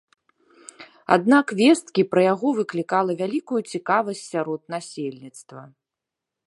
Аднак весткі пра яго выклікала вялікую цікавасць сярод насельніцтва.